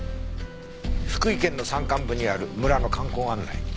福井県の山間部にある村の観光案内。